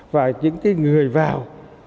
và những người vào